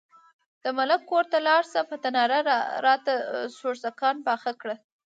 د ملک کور ته لاړه شه، په تناره راته سوکړکان پاخه کړه.